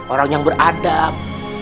orang yang beradab